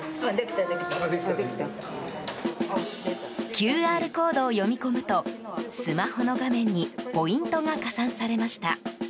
ＱＲコードを読み込むとスマホの画面にポイントが加算されました。